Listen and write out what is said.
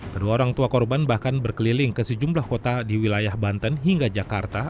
kedua orang tua korban bahkan berkeliling ke sejumlah kota di wilayah banten hingga jakarta